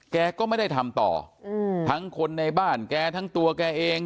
แกก็ไม่ได้ทำต่ออืมทั้งคนในบ้านแกทั้งตัวแกเอง